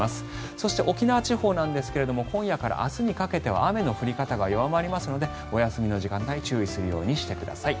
そして、沖縄地方なんですが今夜から明日にかけては雨の降り方が弱まりますのでお休みの時間帯注意するようにしてください。